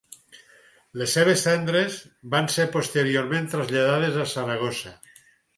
Les seves cendres van ser posteriorment traslladades a Saragossa.